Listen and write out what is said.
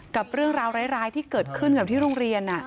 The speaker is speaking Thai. กับเรื่องราวร้ายที่เกิดขึ้นกับที่โรงเรียน